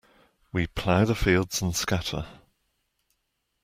We plough the fields and scatter.